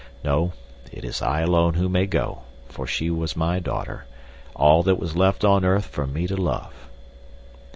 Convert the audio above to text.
"No; it is I alone who may go, for she was my daughter—all that was left on earth for me to love."